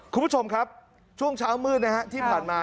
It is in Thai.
คุณผู้ชมครับช่วงเช้ามืดนะฮะที่ผ่านมา